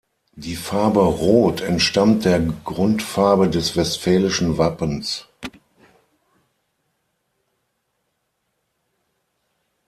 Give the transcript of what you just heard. Die Farbe rot entstammt der Grundfarbe des Westfälischen Wappens.